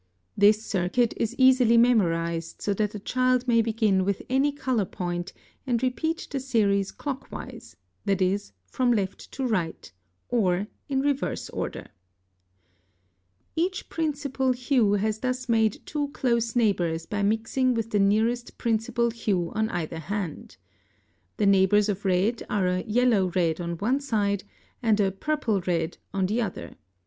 This circuit is easily memorized, so that the child may begin with any color point, and repeat the series clock wise (that is, from left to right) or in reverse order. [Footnote 17: Orange is a variable union of yellow and red. See Appendix.] (59) Each principal hue has thus made two close neighbors by mixing with the nearest principal hue on either hand. The neighbors of red are a yellow red on one side and a purple red on the other.